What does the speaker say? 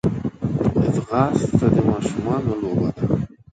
ځغاسته د ماشومانو لوبه ده